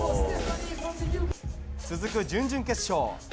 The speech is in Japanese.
続く準々決勝